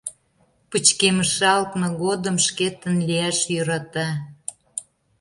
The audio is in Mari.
Пычкемышалтме годым шкетын лияш йӧрата.